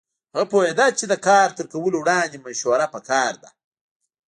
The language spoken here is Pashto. هغه پوهېده چې د کار تر کولو وړاندې مشوره پکار ده.